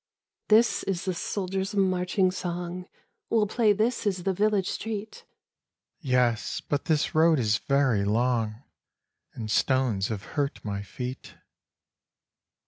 " This is the soldiers' marching song. We'll play this is the village street —" Yes, but this road is very long And stones have hurt my feet."